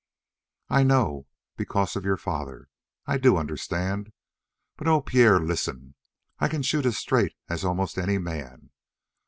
"I know; because of your father. I do understand, but oh, Pierre, listen! I can shoot as straight as almost any man.